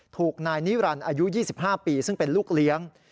ถูกนายนิรันดิ์อายุ๒๕ปีซึ่งเป็นลูกเลี้ยง